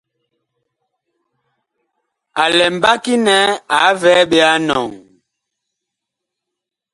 A lɛ mbaki nɛ wah vɛɛ ɓe a enɔŋ ?